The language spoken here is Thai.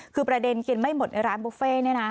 คือประเด็นกินไม่หมดในร้านบุฟเฟ่เนี่ยนะ